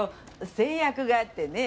先約があってねぇ。